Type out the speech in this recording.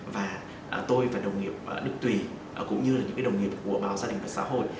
và tôi và đồng nghiệp đức tùy cũng như là những đồng nghiệp của báo gia đình và xã hội